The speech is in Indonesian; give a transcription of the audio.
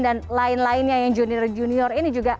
dan lain lainnya yang junior junior ini juga